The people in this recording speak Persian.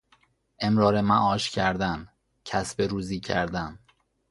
امرار معاش کردن، کسب روزی کردن